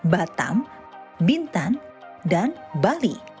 batam bintan dan bali